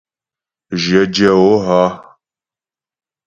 Jyə dyə̌ o hə́ ?